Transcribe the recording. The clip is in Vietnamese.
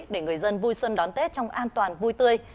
để người dân vui xuân đón tết trong an toàn vui tươi